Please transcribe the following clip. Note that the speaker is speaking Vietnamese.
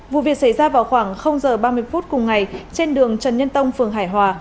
vụ việc xảy ra vào khoảng h ba mươi phút cùng ngày trên đường trần nhân tông phường hải hòa